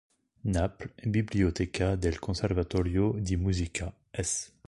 Naples, Biblioteca del Conservatorio di Musica “S.